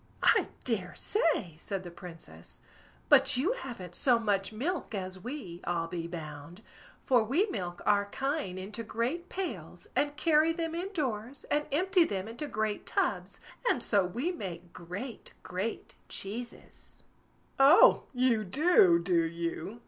"I dare say!" said the Princess; "but you haven't so much milk as we, I'll be bound; for we milk our kine into great pails, and carry them in doors, and empty them into great tubs, and so we make great, great cheeses." "Oh! you do, do you?"